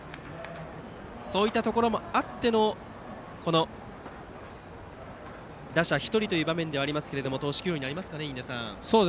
そういったところもあっての打者１人の場面ではありますが投手起用になりますか、印出さん。